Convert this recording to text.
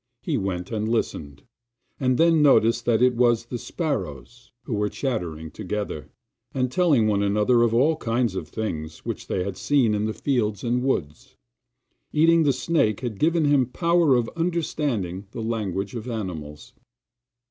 He went and listened, and then noticed that it was the sparrows who were chattering together, and telling one another of all kinds of things which they had seen in the fields and woods. Eating the snake had given him power of understanding the language of animals.